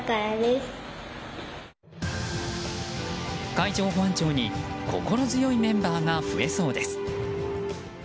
海上保安庁に心強いメンバーが増えそうです。